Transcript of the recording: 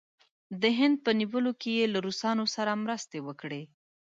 د هند په نیولو کې دې له روسانو سره مرسته وکړي.